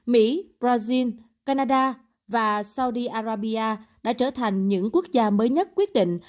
mỹ brazil canada và saudi arabiya đã trở thành những quốc gia mới nhất quyết định